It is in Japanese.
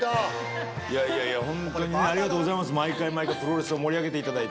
いやいやいや、本当にね、ありがとうございます、毎回、毎回プロレスを盛り上げていただ